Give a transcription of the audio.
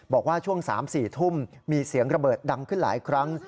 บอกว่าช่วง๓๔ทุ่มมีเสียงระเบิดดังขึ้นหลายครั้ง